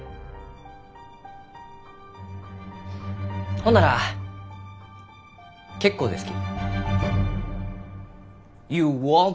ほんなら結構ですき。